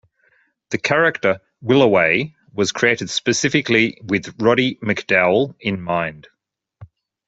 The character Willaway was created specifically with Roddy McDowall in mind.